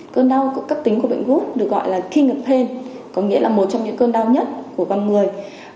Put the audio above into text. cơn đau cấp tính của bệnh gút được gọi là king of pain có nghĩa là một trong những cơn đau nhất của con người